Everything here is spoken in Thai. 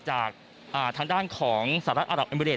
จากทางด้านของสหรัฐอัตราบอัมพิเศษ